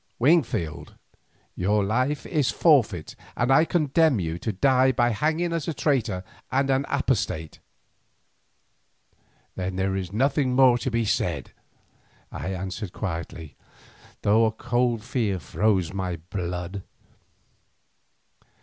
Wingfield, your life is forfeit and I condemn you to die by hanging as a traitor and an apostate." "Then there is nothing more to be said," I answered quietly, though a cold fear froze my blood.